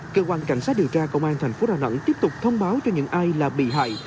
cơ quan cảnh sát điều tra công an thành phố đà nẵng tiếp tục thông báo cho những ai là bị hại